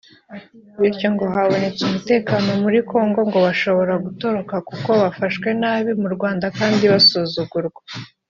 bityo ngo habonetse umutekano muri Kongo ngo bashobora gutoroka kuko bafashwe nabi mu Rwanda kandi basuzugurwa